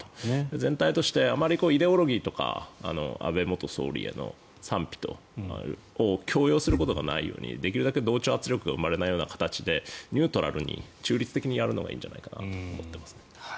全体としてあまりイデオロギーとか安倍元総理への賛否を強要することがないようにできるだけ同調圧力が生まれないような形でニュートラルに中立的にやるのがいいんじゃないかと思っています。